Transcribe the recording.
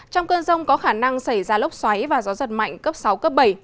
trong cơn rông có khả năng xảy ra lốc xoáy và gió giật mạnh cấp sáu cấp bảy